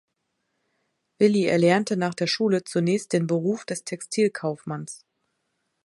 Willi erlernte nach der Schule zunächst den Beruf des Textilkaufmanns.